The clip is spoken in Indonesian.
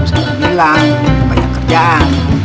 udah bilang banyak kerjaan